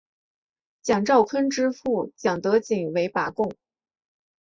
蒋兆鲲之父蒋德璟为拔贡。